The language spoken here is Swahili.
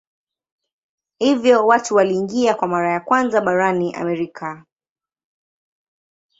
Hivyo watu waliingia kwa mara ya kwanza barani Amerika.